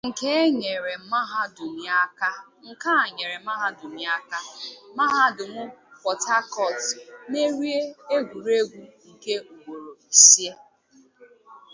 Nke a nyeere mahadum ya aka, Mahadum Port Harcourt merie egwuregwu nke ugboro ise.